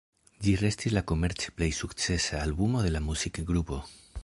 Ĝi restis la komerce plej sukcesa albumo de la muzikgrupo.